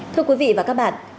thưa quý vị và các bạn